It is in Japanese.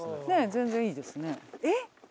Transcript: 全然いいですね。